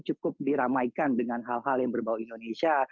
cukup diramaikan dengan hal hal yang berbau indonesia